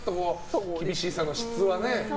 厳しさの質はね。